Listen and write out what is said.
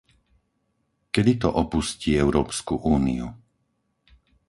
Kedy to opustí Európsku úniu?